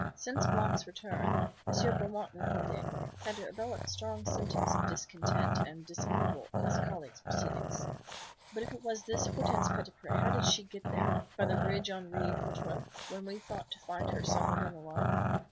Since Block's return, M. Beaumont le Hardi had developed strong symptoms of discontent and disapproval at his colleague's proceedings. "But if it was this Hortense Petitpré how did she get there, by the bridge Henri Quatre, when we thought to find her somewhere down the line?